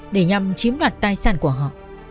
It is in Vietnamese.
để nhằm chiếm đoạt tài sản của họ